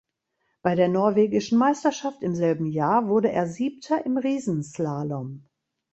Bei der norwegischen Meisterschaft im selben Jahr wurde er Siebter im Riesenslalom.